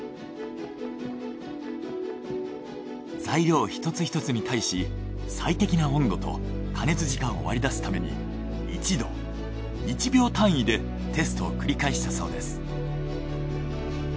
材料一つひとつに対し最適な温度と加熱時間を割り出すために１℃１秒単位でテストを繰り返したそうです。